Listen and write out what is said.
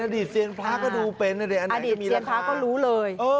อดีตเซียนพระก็ดูเป็นอดีตเซียนพระก็รู้เลย